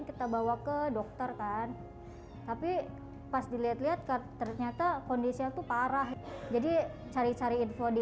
kita bawa ke dokter kan tapi pas dilihat lihat ternyata kondisinya tuh parah jadi cari cari info di